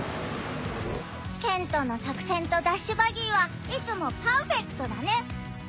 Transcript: ケントの作戦とダッシュバギーはいつもパウフェクトだね。